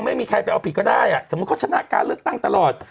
ไม่มีใครไปเอาผิดก็ได้อ่ะสมมุติเขาชนะการเลือกตั้งตลอด